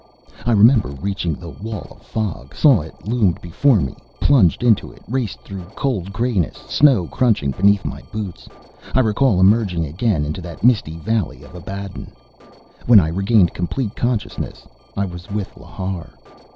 I remember reaching the wall of fog, saw it loomed before me, plunged into it, raced through cold grayness, snow crunching beneath my boots. I recall emerging again into that misty valley of Abaddon.... When I regained complete consciousness I was with Lhar.